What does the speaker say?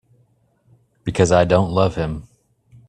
Because I don't love him.